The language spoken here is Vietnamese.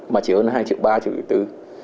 mà chỉ hơn là hai triệu ba triệu bốn